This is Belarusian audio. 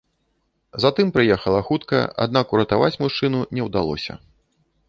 Затым прыехала хуткая, аднак уратаваць мужчыну не ўдалося.